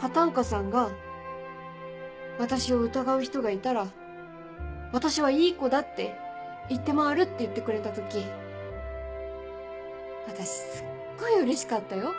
片岡さんが「私を疑う人がいたら私はいい子だって言って回る」って言ってくれた時私すっごいうれしかったよ。